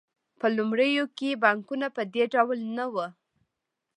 په لومړیو کې بانکونه په دې ډول نه وو